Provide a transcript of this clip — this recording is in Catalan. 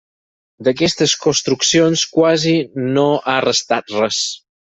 D'aquestes construccions quasi no ha restat res.